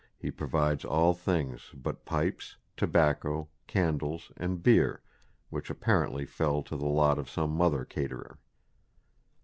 he provides all things but pipes, Tobacco, candles and beer" which apparently fell to the lot of some other caterer.